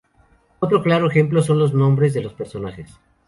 Otro claro ejemplo son los nombres de los personajes.